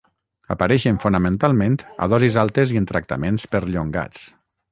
Apareixen fonamentalment a dosis altes i en tractaments perllongats.